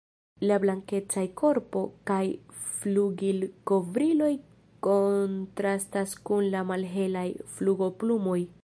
La blankecaj korpo kaj flugilkovriloj kontrastas kun la malhelaj flugoplumoj.